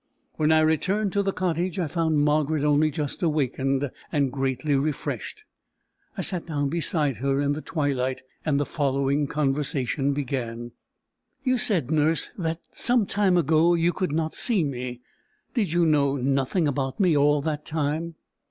When I returned to the cottage, I found Margaret only just awaked, and greatly refreshed. I sat down beside her in the twilight, and the following conversation began: "You said, nurse, that, some time ago, you could not see me. Did you know nothing about me all that time?"